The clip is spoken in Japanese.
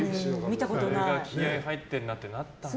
それが気合入ってるなってなったんだ。